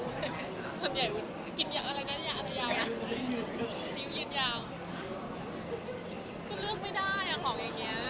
คือเลือกไม่ได้อะของอย่างเงี้ย